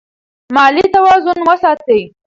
مالي توازن وساتئ.